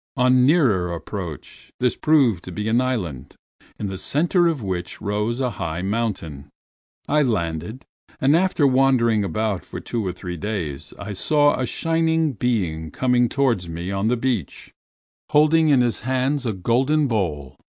On nearer approach, this proved to be an island, in the center of which rose a high mountain. I landed, and after wandering about for two or three days, I saw a shining being coming towards me on the beach, holding in his hands a golden bowl.